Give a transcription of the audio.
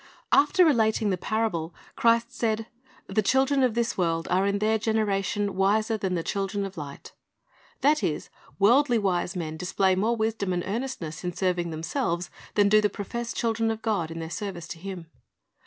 After relating the parable, Christ said, " The children of this world are in their generation wiser than the children of light." That is, worldly wise men display more wisdom and earnestness in serving themselves than do the professed children of God in their service to Him.